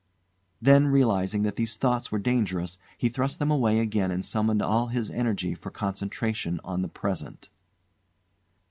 Then realising that these thoughts were dangerous, he thrust them away again and summoned all his energy for concentration on the present.